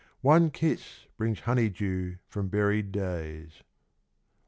One kiss brings honcy dcw from buried days.